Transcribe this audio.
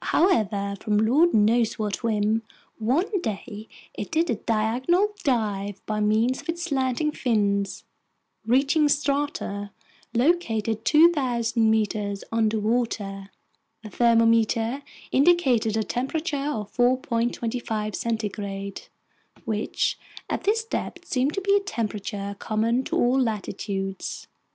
However, from lord knows what whim, one day it did a diagonal dive by means of its slanting fins, reaching strata located 2,000 meters underwater. The thermometer indicated a temperature of 4.25 degrees centigrade, which at this depth seemed to be a temperature common to all latitudes.